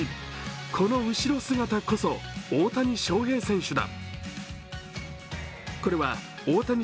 この後ろ姿こそ大谷翔平選手だ。